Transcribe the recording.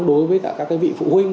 đối với các vị phụ huynh